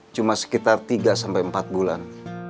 cuma sekitar tiga sampai empat bulan